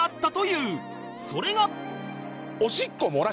それが